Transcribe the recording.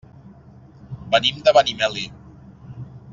Venim de Benimeli.